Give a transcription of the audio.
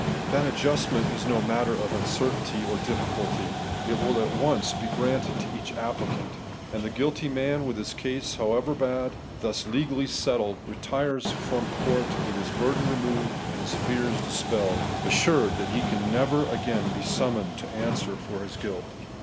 That adjustment is no matter of uncer tainty or difBculty; it will at once be granted to each applicant ; and the guilty man with his case, however bad, thus legally settled, retires from court with his burden removed and his fears dispeUed, assured that he can never again be summoned to answer for his guilt.